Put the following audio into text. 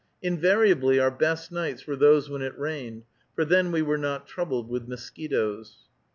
Invariably our best nights were those when it rained, for then we were not troubled with mosquitoes.